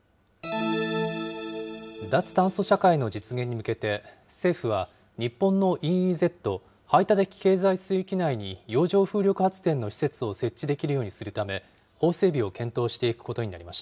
脱炭素社会の実現に向けて、政府は、日本のＥＥＺ・排他的経済水域内に洋上風力発電の施設を設置できるようにするため、法整備を検討していくことになりまし